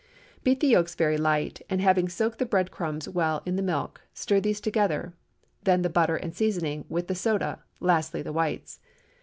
Beat the yolks very light, and having soaked the bread crumbs well in the milk, stir these together; then the butter and seasoning, with the soda; lastly the whites.